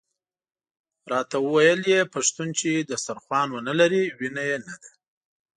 راته ویل یې پښتون چې دسترخوان ونه لري وینه یې نده.